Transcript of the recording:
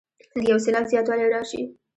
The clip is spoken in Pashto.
د یو سېلاب زیاتوالی راشي.